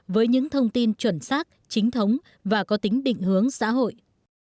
với những thông tin chuẩn xác chính thống và có tính định hướng xã hội